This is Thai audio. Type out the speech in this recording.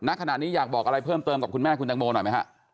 ณขณะนี้อยากบอกอะไรเพิ่มเติมกับคุณแม่คุณตังโมหน่อยไหมฮะ